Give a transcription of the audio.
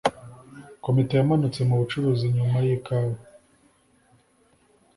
komite yamanutse mu bucuruzi nyuma yikawa.